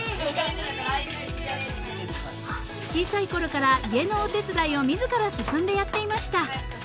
［小さいころから家のお手伝いを自ら進んでやっていました］